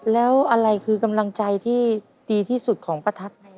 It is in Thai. แล้วอะไรคือกำลังใจที่ดีที่สุดของประทัด